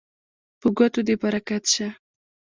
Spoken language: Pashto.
په ګوتو دې برکت شه